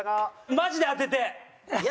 マジで当ててえ！